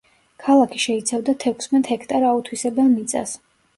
ქალაქი შეიცავდა თექვსმეტ ჰექტარ აუთვისებელ მიწას.